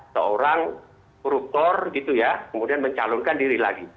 seorang koruptor gitu ya kemudian mencalonkan diri lagi